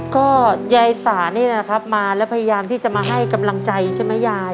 ก็ยายสานี่นะครับมาแล้วพยายามที่จะมาให้กำลังใจใช่ไหมยาย